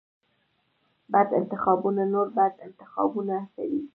بد انتخابونه نور بد انتخابونه هڅوي.